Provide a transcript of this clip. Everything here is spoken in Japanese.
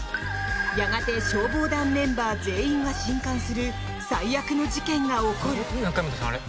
やがて、消防団メンバー全員が震かんする最悪の事件が起こる！